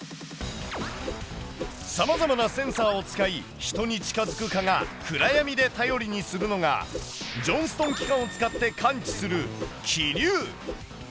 さまざまなセンサーを使い人に近づく蚊が暗闇で頼りにするのがジョンストン器官を使って感知する気流。